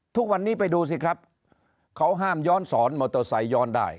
ทุกวันนี้ไปดูสิครับเขาห้ามย้อนสอนมอเตอร์ไซค์ย้อนได้